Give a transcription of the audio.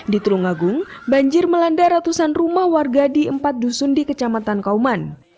di tulungagung banjir melanda ratusan rumah warga di empat dusun di kecamatan kauman